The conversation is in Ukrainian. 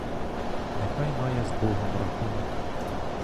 Нехай має з богом рахунок.